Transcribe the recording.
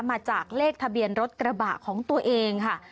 มาจากเลขทะเบียนรถกระบะของตัวเองค่ะ